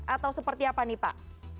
atau seperti apa nih pak